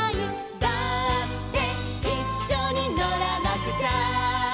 「だっていっしょにのらなくちゃ」